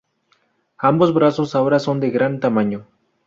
Ambos brazos ahora son de gran tamaño.